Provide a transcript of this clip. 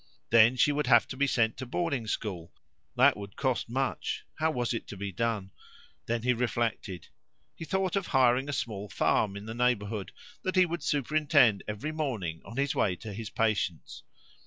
Then she would have to be sent to the boarding school; that would cost much; how was it to be done? Then he reflected. He thought of hiring a small farm in the neighbourhood, that he would superintend every morning on his way to his patients.